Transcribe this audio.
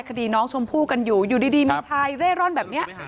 คดีน้องชมพู่กันอยู่อยู่ดีมีชายเร่ร่อนแบบนี้